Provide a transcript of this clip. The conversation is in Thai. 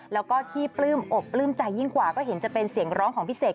แล้วก็ที่ปลื้มอกปลื้มใจยิ่งกว่าก็เห็นจะเป็นเสียงร้องของพี่เสก